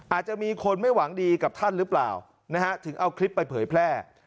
อาจจะมีคนไม่หวังดีกับท่านหรือเปล่านะฮะถึงเอาคลิปไปเผยแพร่